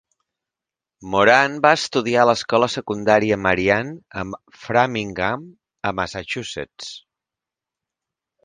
Moran va estudiar a l'escola secundària Marian a Framingham, a Massachusetts.